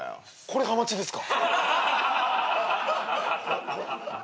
僕ハマチですか？